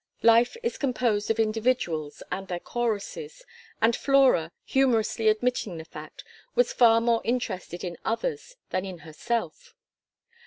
Life is composed of individuals and their choruses, and Flora, humorously admitting the fact, was far more interested in others than in herself.